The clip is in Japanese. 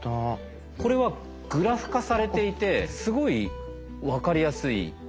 これはグラフ化されていてすごいわかりやすい。